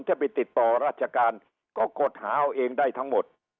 จะไปติดต่อราชการก็กดหาเอาเองได้ทั้งหมด